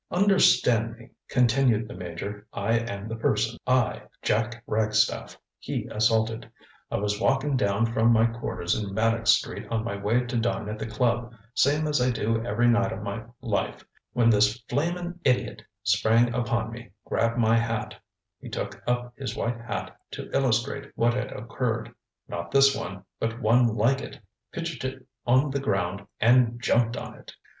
ŌĆ£Understand me, ŌĆØ continued the Major, ŌĆ£I am the person I, Jack Ragstaff he assaulted. I was walkin' down from my quarters in Maddox Street on my way to dine at the club, same as I do every night o' my life, when this flamin' idiot sprang upon me, grabbed my hatŌĆØ he took up his white hat to illustrate what had occurred ŌĆ£not this one, but one like it pitched it on the ground and jumped on it!